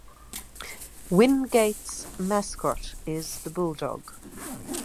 Wingate's mascot is the Bulldog.